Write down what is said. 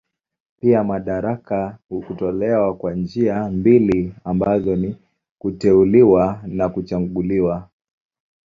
Pia madaraka hutolewa kwa njia mbili ambazo ni kuteuliwa na kuchaguliwa.